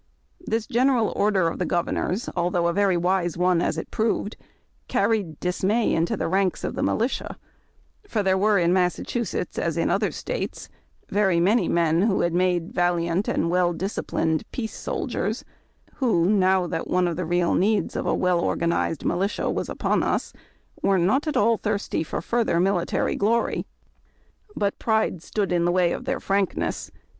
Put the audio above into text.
This general order of the Governor's, although a very wise one as it proved, carried dismay into the ranks of the militia, for there were in Massachusetts, as in other States, very many men who had made valiant and well disciplined peace, soldiers, who, now that one of the real needs of a well organized militia was upon us, were not at all thirsty for further military glory. But pride stood in the way of their frankness.